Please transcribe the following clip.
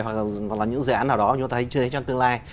hoặc là những dự án nào đó chúng ta sẽ chơi trong tương lai